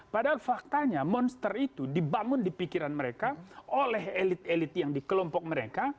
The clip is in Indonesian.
padahal faktanya monster itu dibangun di pikiran mereka oleh elit elit yang di kelompok mereka